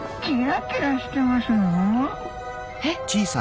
えっ？